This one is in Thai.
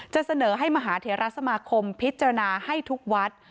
เสนอให้มหาเทราสมาคมพิจารณาให้ทุกวัด